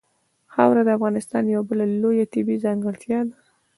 خاوره د افغانستان یوه بله لویه طبیعي ځانګړتیا ده.